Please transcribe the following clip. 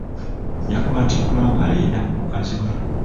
Yakwatiddwa ng'ayenda ku mukazi we.